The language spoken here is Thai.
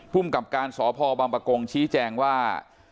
ผู้กับการสพมปกรงชี้แจงว่า